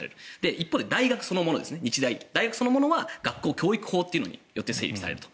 一方で大学そのものは学校教育法によって整備されると。